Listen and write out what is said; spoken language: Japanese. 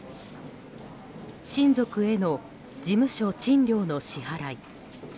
親族への事務所賃料の支払い。